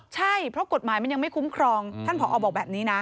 ใช่เพราะกฎหมายมันยังไม่คุ้มครองท่านผอบอกแบบนี้นะ